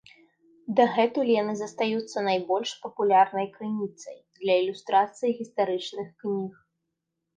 Дагэтуль яны застаюцца найбольш папулярнай крыніцай для ілюстрацыі гістарычных кніг.